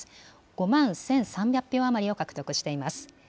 ５万１３００票余りを獲得しています。